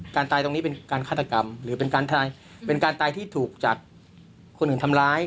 การตายตรงนี้เป็นการฆาตกรรมหรือเป็นการตายที่ถูกจากคนอื่นทำร้าย